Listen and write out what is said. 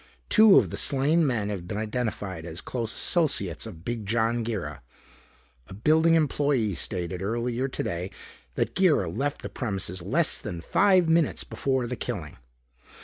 Two of the slain men have been identified as close associates of Big John Girra. A building employee stated earlier today that Girra left the premises less than five minutes before the killing.